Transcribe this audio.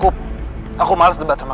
pada saat ini